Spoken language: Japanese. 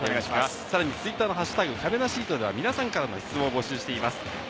さらにツイッターの「＃かめなシート」では皆さんからのコメントも募集しています。